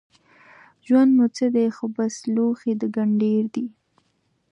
ژوند مو څه دی خو بس لوښی د ګنډېر دی